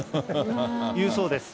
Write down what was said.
いうそうです。